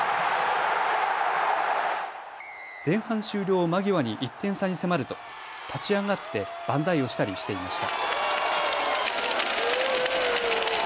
前半終了間際に１点差に迫ると立ち上がって万歳をしたりしていました。